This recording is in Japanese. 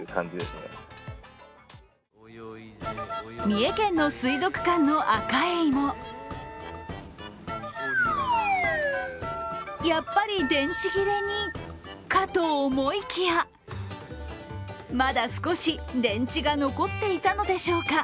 三重県の水族館のアカエイもやっぱり電池切れにかと思いきや、まだ少し電池が残っていたのでしょうか。